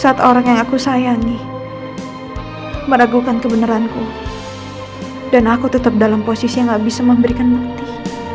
saat orang yang aku sayangi meragukan kebeneranku dan aku tetap dalam posisi yang gak bisa memberikan bukti